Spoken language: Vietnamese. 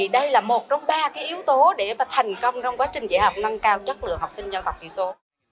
đây là một trong ba yếu tố để thành công trong quá trình dạy học nâng cao chất lượng học sinh dân tộc thiểu số